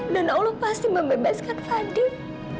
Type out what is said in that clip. allah pasti membebaskan fadil